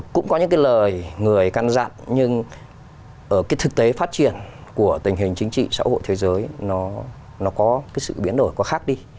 cũng có những cái lời người căn dặn nhưng cái thực tế phát triển của tình hình chính trị xã hội thế giới nó có cái sự biến đổi có khác đi